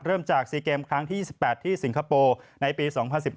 เริ่มจาก๔เกมครั้งที่๒๘ที่สิงคโปร์ในปี๒๐๑๕